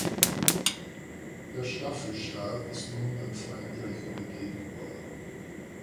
Der Staffelstab ist nun an Frankreich übergeben worden.